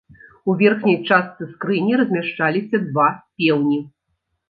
У верхняй частцы скрыні размяшчаліся два пеўні.